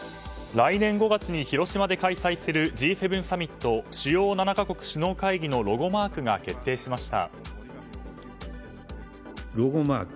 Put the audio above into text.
来年５月に広島で開催するＧ７サミット・主要７か国首脳会議のロゴマークが決定しました。